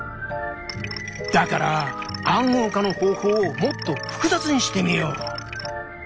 だから「暗号化の方法」をもっと複雑にしてみよう。